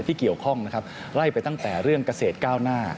ที่เกี่ยวข้องนะครับไล่ไปตั้งแต่เรื่องเกษตรก้าวหน้า